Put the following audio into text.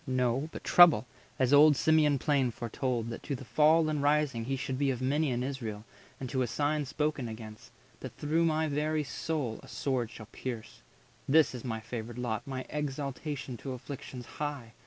no; But trouble, as old Simeon plain foretold, That to the fall and rising he should be Of many in Israel, and to a sign Spoken against—that through my very soul 90 A sword shall pierce. This is my favoured lot, My exaltation to afflictions high!